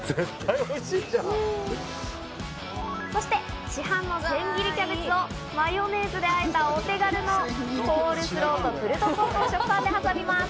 そして市販の千切りキャベツとマヨネーズであえたお手軽のコールスローとプルドポークを食パンで挟みます。